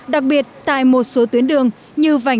đặc biệt tại một số tuyến đường như vành